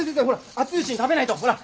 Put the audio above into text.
熱いうちに食べないとほら！